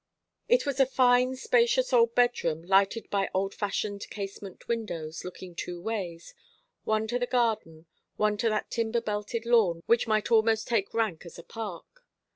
It was a fine spacious old bedroom, lighted by old fashioned casement windows, looking two ways one to the garden, one to that timber belted lawn which might almost take rank as a park.